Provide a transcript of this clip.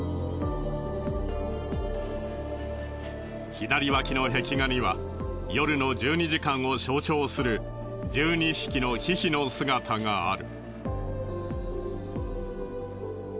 左脇の壁画には夜の１２時間を象徴する１２匹のヒヒの姿がある。